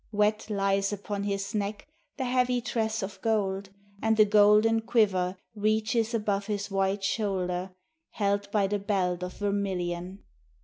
Wet lies upon his neck the heavy tress of gold, and the golden quiver Reaches above his white shoulder, held by the belt of vermilion.